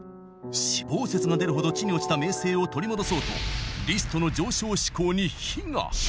死亡説が出るほど地に落ちた名声を取り戻そうとリストの上昇志向に火が。